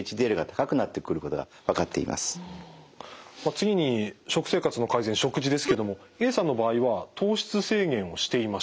次に食生活の改善食事ですけどもＡさんの場合は糖質制限をしていました。